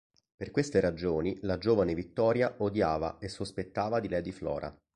Per queste ragioni, la giovane Vittoria odiava e sospettava di Lady Flora.